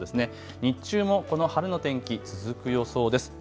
日中もこの晴れの天気、続く予想です。